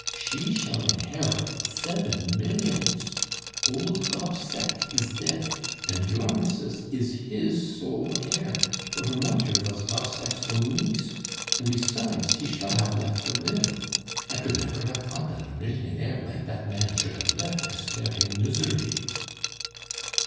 She shall inherit seven millions. Old Gobseck is deat, and your mis'ess is his sole heir, for her moter vas Gobseck's own niece; and besides, he shall hafe left a vill. I could never hafe tought that a millionaire like dat man should hafe left Esther in misery!"